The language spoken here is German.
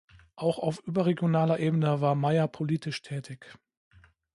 Auch auf überregionaler Ebene war Meier politisch tätig.